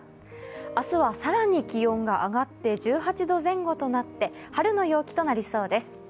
明日は更に気温が上がって１８度前後となって、春の陽気となりそうです。